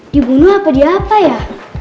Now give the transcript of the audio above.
dibunuh apa diapa ya